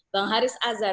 bang haris azar